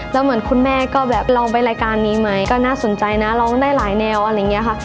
แล้วเหมือนคุณแม่ก็แบบลองไปรายการนี้ไหมก็น่าสนใจนะร้องได้หลายแนวอะไรอย่างนี้ค่ะ